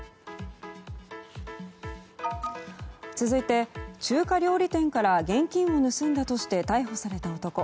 続いて、中華料理店から現金を盗んだとして逮捕された男。